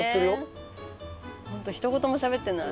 ホントひと言も喋ってない。